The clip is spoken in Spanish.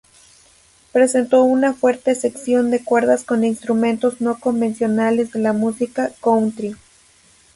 Presentó una fuerte sección de cuerdas con instrumentos no convencionales de la música country.